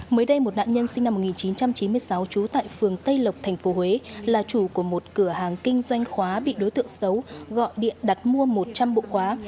mới đây một nạn nhân sinh năm một nghìn chín trăm chín mươi sáu trú tại phường tây lộc tp huế là chủ của một cửa hàng kinh doanh khóa bị đối tượng xấu gọi điện đặt mua một trăm linh bộ khóa